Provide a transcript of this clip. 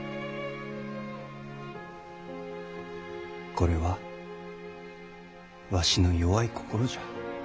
これはわしの弱い心じゃ。